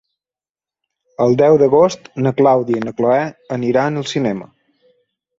El deu d'agost na Clàudia i na Cloè aniran al cinema.